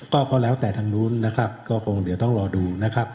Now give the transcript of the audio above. ก็แล้วแต่ทางนู้นนะครับก็คงเดี๋ยวต้องรอดูนะครับ